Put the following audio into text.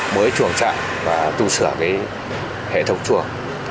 mới chuẩn trạng và tu sửa hệ thống chuồng